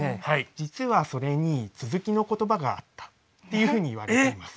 実はそれに続きの言葉があったっていうふうにいわれています。